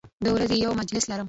د ورځې یو مجلس لرم